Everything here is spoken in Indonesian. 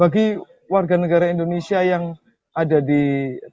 bagi warga negara indonesia yang ada di lapangan apa yang anda ingin lakukan